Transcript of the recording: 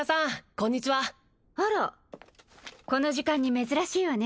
こんにちはあらこの時間に珍しいわね